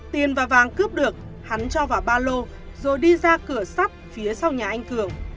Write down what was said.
tiền và vàng cướp được hắn cho vào ba lô rồi đi ra cửa sắt phía sau nhà anh cường